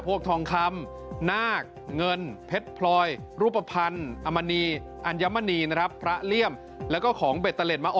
พวกทองคำนากเงินเผ็ดพลอยรูปพันธุ์อามณีประเลียมไม่ต้องเอาไป